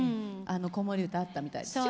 子守歌あったみたいですよ。